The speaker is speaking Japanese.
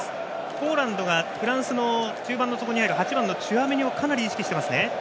ポーランドがフランスの中盤の底にある８番のチュアメニをかなり意識してますね。